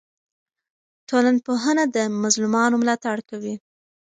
ټولنپوهنه د مظلومانو ملاتړ کوي.